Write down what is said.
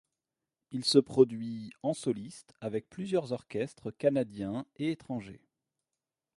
Il se produit en soliste avec plusieurs orchestres canadiens et étrangers.